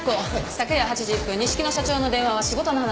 昨夜８時１分錦野社長の電話は仕事の話。